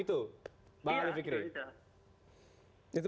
iya itu itu